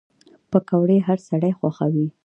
پکورې هر سړی خوښوي